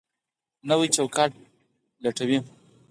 نوی چوکاټ لټوي.